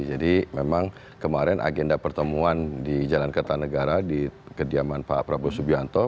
jadi memang kemarin agenda pertemuan di jalan kertanegara di kediaman pak prabowo subianto